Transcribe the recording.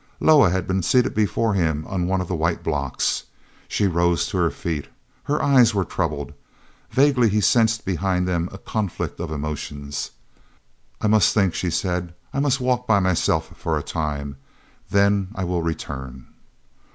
Loah had been seated before him on one of the white blocks. She rose to her feet. Her eyes were troubled. Vaguely he sensed behind them a conflict of emotions. "I must think," she said. "I will walk by myself for a time; then I will return."